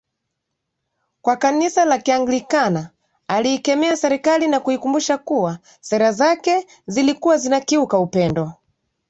kwa kanisa la Kianglikana aliikemea serikali na kuikumbusha kuwa sera zake zilikuwa zinakiuka upendo